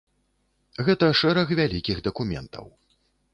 Гэта шэраг вялікіх дакументаў.